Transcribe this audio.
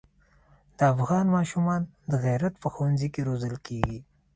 د افغان ماشومان د غیرت په ښونځي کې روزل کېږي.